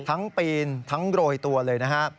ปีนทั้งโรยตัวเลยนะฮะ